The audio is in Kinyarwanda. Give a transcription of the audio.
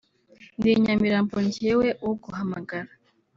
ndi i Nyamirambo njyewe uguhamagara